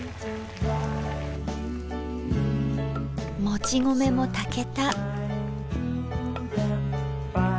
もち米も炊けた。